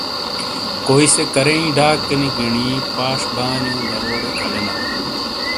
کوئی سے کریںے ڈاکوج گینی پاش بانیو دروٹے کھلینالے۔